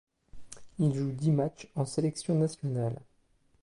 Il joue dix matchs en sélection nationale.